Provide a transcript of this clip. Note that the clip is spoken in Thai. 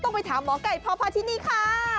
ต้องไปถามหมอไก่พอพาทินีค่ะ